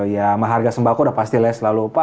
ya sama harga sembako udah pasti lah ya selalu par